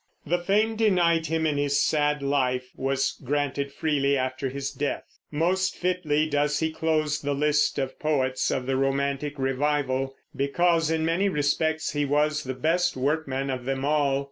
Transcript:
The fame denied him in his sad life was granted freely after his death. Most fitly does he close the list of poets of the romantic revival, because in many respects he was the best workman of them all.